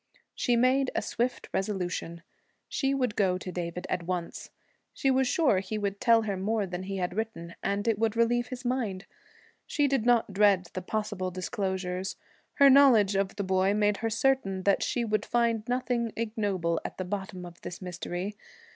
She made a swift resolution. She would go to David at once. She was sure he would tell her more than he had written, and it would relieve his mind. She did not dread the possible disclosures. Her knowledge of the boy made her certain that she would find nothing ignoble at the bottom of his mystery.